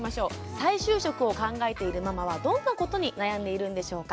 再就職を考えているママはどんなことに悩んでいるんでしょうか。